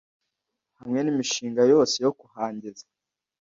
hamwe n imishinga yose yo kuhageza